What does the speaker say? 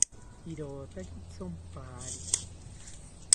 Irotaki thonpari